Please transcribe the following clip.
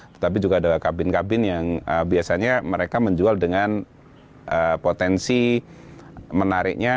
tetapi juga ada kabin kabin yang biasanya mereka menjual dengan potensi menariknya